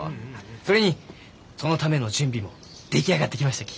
それにそのための準備も出来上がってきましたき。